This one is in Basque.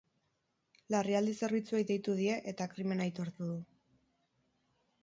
Larrialdi zerbitzuei deitu die eta krimena aitortu du.